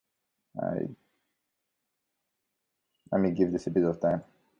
میرے والد کل سفر پر جائیں گے۔